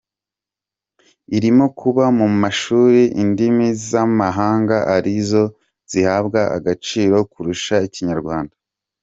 Irimo kuba mu mashuri indimi z’amahanga ari zo zihabwa agaciro kurusha ikinyarwanda.